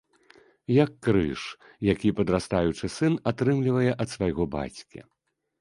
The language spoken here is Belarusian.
Як крыж, які падрастаючы сын атрымлівае ад свайго бацькі.